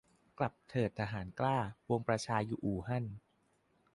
"กลับเถิดทหารกล้า ปวงประชาอยู่อู่ฮั่น"